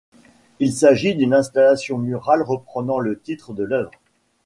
Il s'agit d'une installation murale reprenant le titre de l'œuvre.